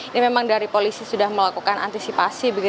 ini memang dari polisi sudah melakukan antisipasi